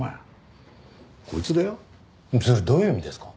それどういう意味ですか？